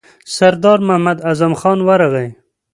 سردار محمد اعظم خان ورغی.